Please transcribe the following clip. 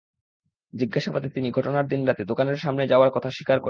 জিজ্ঞাসাবাদে তিনি ঘটনার দিন রাতে দোকানের সামনে যাওয়ার কথা স্বীকার করেছেন।